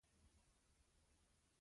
بګیاړ او غوربند د شانګلې سیمې دي